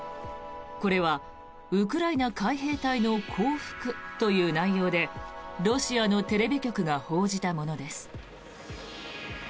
これはウクライナ海兵隊の降伏という内容でロシアのテレビ局が報じたものです。